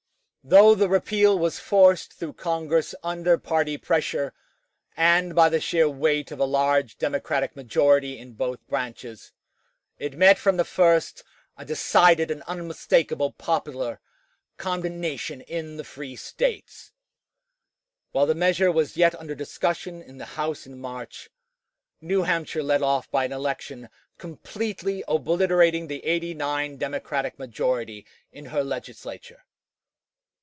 Though the repeal was forced through Congress under party pressure, and by the sheer weight of a large Democratic majority in both branches, it met from the first a decided and unmistakable popular condemnation in the free States. While the measure was yet under discussion in the House in March, New Hampshire led off by an election completely obliterating the eighty nine Democratic majority in her Legislature.